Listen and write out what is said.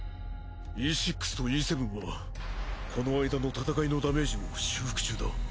Ｅ６とＥ７はこの間の戦いのダメージの修復中だ。